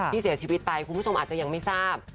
ที่เสียชีวิตไปคุณผู้ชมอาจจะยังไม่ทราบ